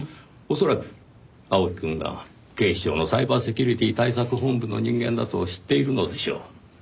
恐らく青木くんが警視庁のサイバーセキュリティ対策本部の人間だと知っているのでしょう。